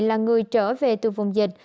là người trở về từ vùng dịch